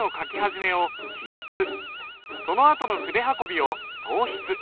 そのあとの筆運びを送筆。